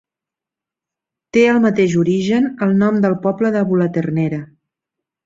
Té el mateix origen el nom del poble de Bulaternera.